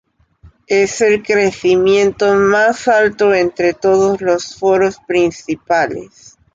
Es el crecimiento más alto entre todos los foros principales.